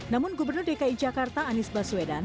namun gubernur dki jakarta anies baswedan